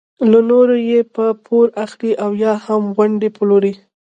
له نورو یې په پور اخلي او یا هم ونډې پلوري.